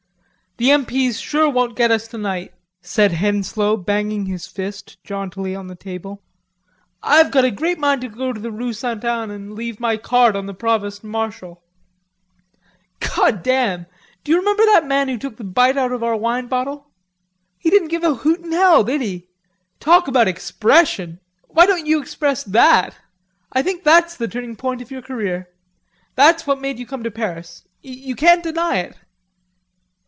"The M.P.'s sure won't get us tonight," said Henslowe, banging his fist jauntily on the table. "I've a great mind to go to Rue St. Anne and leave my card on the Provost Marshal.... God damn! D'you remember that man who took the bite out of our wine bottle...He didn't give a hoot in hell, did he? Talk about expression. Why don't you express that? I think that's the turning point of your career. That's what made you come to Paris; you can't deny it."